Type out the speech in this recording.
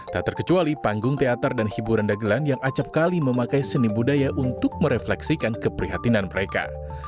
tak terkecuali panggung teater dan hiburan dagelan yang acapkali memakai seni budaya untuk merefleksikan keprihatinan mereka